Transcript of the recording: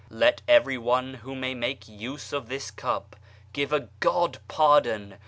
Let every one who may make use [of tliis cup] give a ' God pardon !